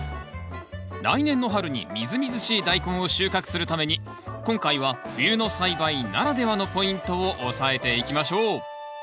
来年の春にみずみずしいダイコンを収穫するために今回は冬の栽培ならではのポイントを押さえていきましょう